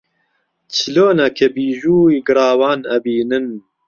چلۆنە کە بیژووی گڕاوان ئەبینن